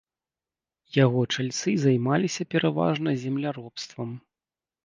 Яго чальцы займаліся пераважна земляробствам.